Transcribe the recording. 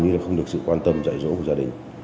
cái thứ ba là không được sự quan tâm giải rỗ của gia đình